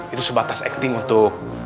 itu sebatas acting untuk